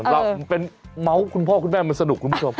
เราเป็นเมาส์คุณพ่อคุณแม่มันสนุกคุณผู้ชม